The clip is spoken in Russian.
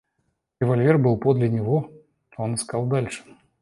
Револьвер был подле него, — он искал дальше.